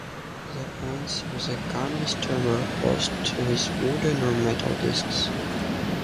The ends of the canister were closed with wooden or metal disks.